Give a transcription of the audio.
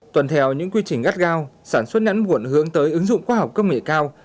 tuần theo những quy trình gắt gao sản xuất nhãn muộn hướng tới ứng dụng khoa học công nghệ cao